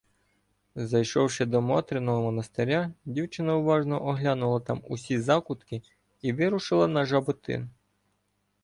Зайшовши до Мотриного монастиря, дівчина уважно оглянула там усі закутки і вирушила на Жаботин.